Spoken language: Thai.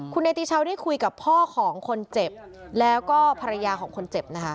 คุณเนติชาวได้คุยกับพ่อของคนเจ็บแล้วก็ภรรยาของคนเจ็บนะคะ